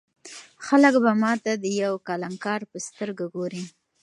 خلک به ما ته د یو کلانکار په سترګه ګوري.